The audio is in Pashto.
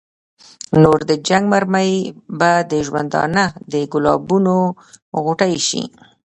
نو د جنګ مرمۍ به د ژوندانه د ګلابونو غوټۍ شي.